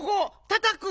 たたく！